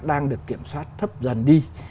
đang được kiểm soát thấp dần đi